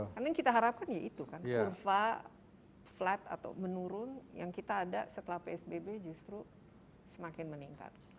karena yang kita harapkan ya itu kan kurva flat atau menurun yang kita ada setelah psbb justru semakin meningkat